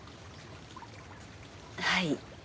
はい。